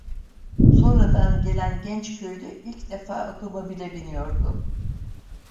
Sonradan gelen genç köylü ilk defa otomobile biniyordu.